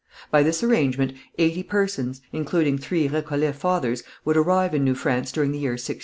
By this arrangement eighty persons, including three Récollet fathers would arrive in New France during the year 1619.